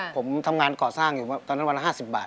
ผมทำงานก่อสร้างอยู่ตอนนั้นวันละ๕๐บาท